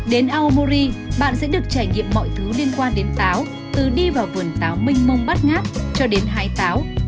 đến aomori bạn sẽ được trải nghiệm mọi thứ liên quan đến táo từ đi vào vườn táo minh mông bắt ngát cho đến hái táo